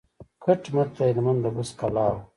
کټ مټ د هلمند د بست کلا وه.